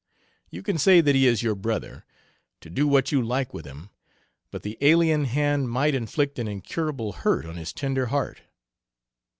You can say that he is your brother, to do what you like with him, but the alien hand might inflict an incurable hurt on his tender heart."